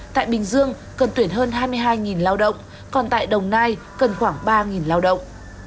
tại bình dương cần tuyển hơn hai mươi hai lao động còn tại đồng nai cần khoảng ba lao động